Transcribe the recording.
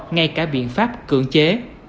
ngay cả biện pháp cưỡng chế